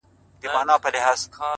• خونه له شنو لوګیو ډکه ډېوه نه بلیږي,